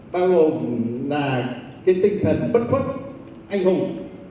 bao gồm là cái tinh thần bất khuất anh hùng